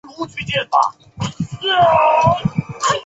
此演示实验中镜子起到调整日光出射水面角度的作用。